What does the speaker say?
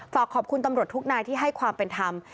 ฝากขอบคุณตำรวจทุกนายที่ให้ความเป็นธรรม